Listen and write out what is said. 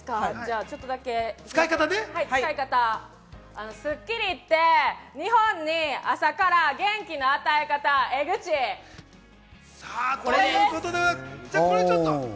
ちょっとだけ使い方、『スッキリ』って、日本に朝から元気の与え方、エグち。